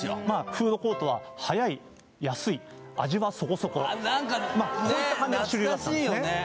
フードコートはあっ何かねまあこういった感じが主流だったんですね